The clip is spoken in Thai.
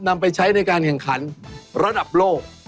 นำไปใช้ในการแข่งขันระดับโลก